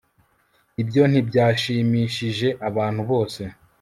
ibyo ntibyashimishije abantu bose